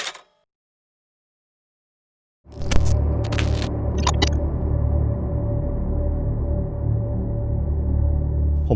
โปรดติดตามตอนต่อไป